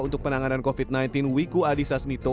untuk penanganan covid sembilan belas wiku adhisa smito